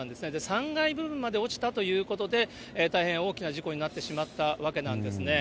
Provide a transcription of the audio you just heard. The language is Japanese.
３階部分まで落ちたということで、大変大きな事故になってしまったわけなんですね。